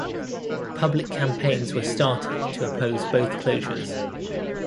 Public campaigns were started to oppose both closures.